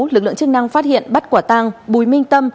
lực lượng chức năng phát hiện bắt quả tăng bùi minh tâm